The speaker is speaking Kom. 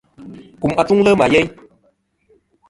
Kum atuŋlɨ ma yeyn.